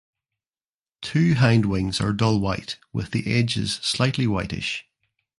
Two hind wings are dull white with the edges slightly whitish.